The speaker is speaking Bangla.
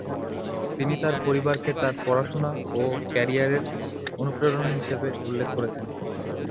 তিনি তার পরিবারকে তার পড়াশুনা ও ক্যারিয়ারের অনুপ্রেরণা হিসাবে উল্লেখ করেছেন।